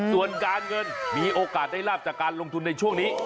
ส่วนการเงินมีโอกาสได้ลาบจากการลงทุนในช่วงนี้